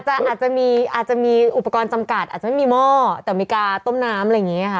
อาจจะมีอาจจะมีอุปกรณ์จำกัดอาจจะไม่มีหม้อแต่มีการต้มน้ำอะไรอย่างนี้ค่ะ